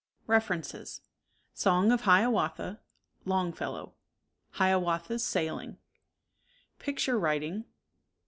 References: Song of Hiawatha. Longfellow. (^Hiawatha s Sailing,) Picture Writing.